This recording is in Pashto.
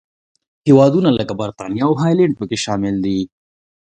هېوادونه لکه برېټانیا او هالنډ پکې شامل دي.